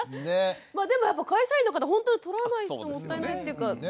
まあでも会社員の方ほんとにとらないともったいないっていうか。